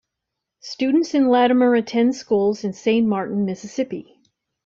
Students in Latimer attend schools in Saint Martin, Mississippi.